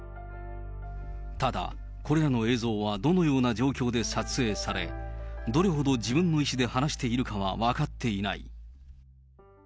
ただ、これらの映像はどのような状況で撮影され、どれほど自分の意思で話しているかは分かっていない。